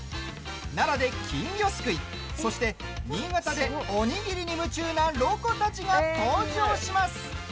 奈良で金魚すくいそして新潟でおにぎりに夢中なロコたちが登場します。